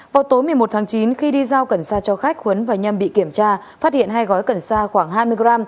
vào tối một mươi một tháng chín khi đi giao cẩn xa cho khách huấn và nhâm bị kiểm tra phát hiện hai gói cẩn xa khoảng hai mươi g